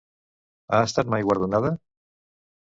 Ha estat mai guardonada?